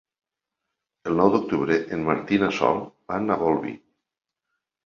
El nou d'octubre en Martí i na Sol van a Bolvir.